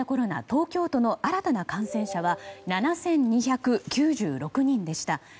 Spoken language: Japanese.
東京都の新たな感染者は７２９６人でした。